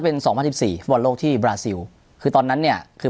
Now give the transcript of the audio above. เป็นสองพันสิบสี่ฟุตบอลโลกที่บราซิลคือตอนนั้นเนี่ยคือ